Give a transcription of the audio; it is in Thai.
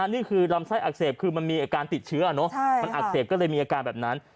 นี่คือลำไส้อักเสบคือมันมีอาการติดเชื้อมันอักเสบก็เลยมีอาการแบบนั้น